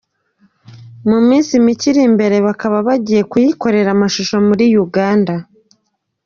Mu minsi mike iri imbere bakaba bagiye kuyikorera amashusho muri Uganda.